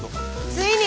ついに！